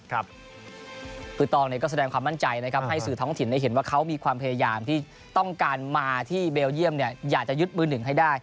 คือตองก็แสดงความมั่นใจนะครับให้สื่อท้องถิ่นได้เห็นว่าเขามีความพยายามที่ต้องการมาที่เบลเยี่ยมอยากจะยึดมือหนึ่งให้ได้